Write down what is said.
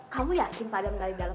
kamu yakin pak adam dari dalam